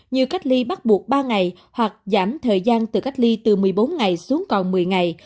như cách ly bắt buộc ba ngày hoặc giảm thời gian từ cách ly từ một mươi bốn ngày xuống còn một mươi ngày